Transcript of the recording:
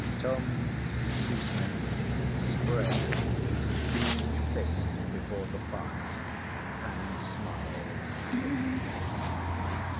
Tom Shoesmith spread his huge fist before the fire and smiled at it.